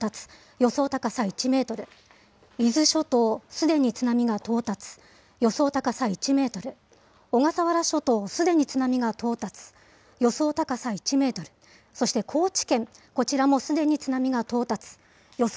予想高さ１メートル、伊豆諸島、すでに津波が到達、予想高さ１メートル、小笠原諸島、すでに津波が到達、予想高さ１メートル、そして高知県、こちらもすでに津波が到達、予想